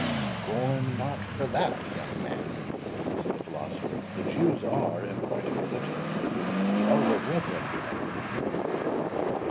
"Scorn not for that, young man," said the philosopher; "the Jews are, in point of religion, the elder brethren, you know."